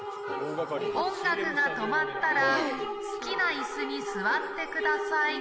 音楽が止まったら、好きないすに座ってください。